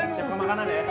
siap ke makanan ya